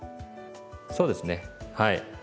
そうですねはい。